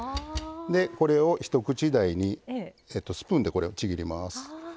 これを一口大にスプーンでちぎります。